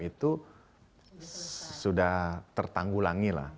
itu sudah tertanggulangi